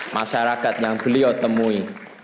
masyarakat yang beliau temui